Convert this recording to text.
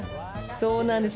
そうなんです。